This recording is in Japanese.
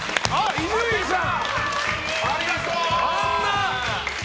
伊集院さん！